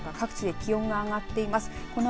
そのほか各地で気温が上がっています。